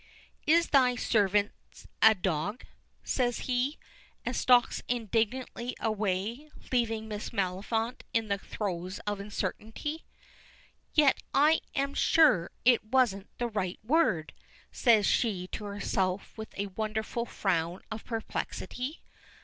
"Is thy servant a dog?" says he, and stalks indignantly away, leaving Miss Maliphant in the throes of uncertainty. "Yet I'm sure it wasn't the right word," says she to herself with a wonderful frown of perplexity.